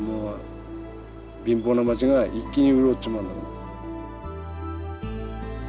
貧乏な町が一気に潤っちまうんだもん。